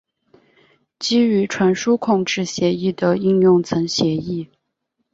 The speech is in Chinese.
基于传输控制协议的应用层协议。